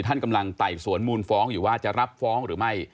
ท่านกำลังไต่สวนมูลฟ้องอยู่ว่าจะรับฟ้องหรือไม่